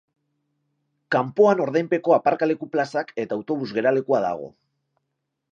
Kanpoan ordainpeko aparkaleku-plazak eta autobus geralekua dago.